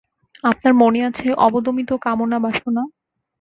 আপনার মনে আছে অবদমিত কামনা-বাসনা।